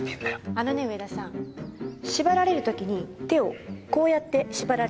あのね上田さん縛られる時に手をこうやって縛られてたでしょ。